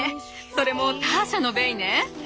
それもターシャのベイね！